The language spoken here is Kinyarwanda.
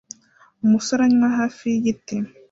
Umusore anywa hafi yigiti